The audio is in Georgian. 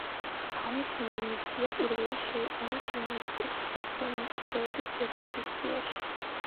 აღნიშნული მისია პირველი შეიყვანეს იუნესკოს მსოფლიო მემკვიდრეობის ძეგლების სიაში.